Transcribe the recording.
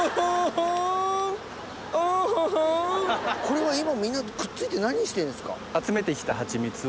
これは今みんなくっついて何してんですか？